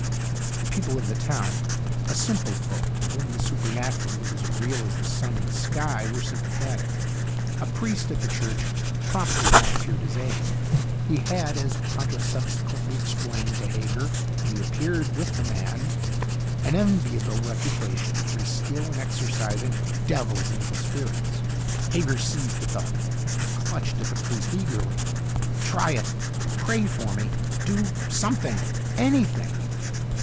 The people of the town, a simple folk to whom the supernatural was as real as the sun in the sky, were sympathetic. A priest at the church promptly volunteered his aid. He had, as Pancho subsequently explained to Hager when he appeared with the man, an enviable reputation for his skill in exorcizing devils and evil spirits. Hager seized at the hope. He clutched at the priest eagerly. "Try it! Pray for me! Do something anything!"